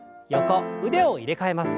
腕を入れ替えます。